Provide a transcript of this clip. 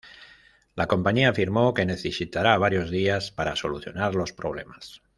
La compañía afirmó que necesitará varios días para solucionar los problemas.